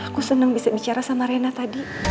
aku senang bisa bicara sama rena tadi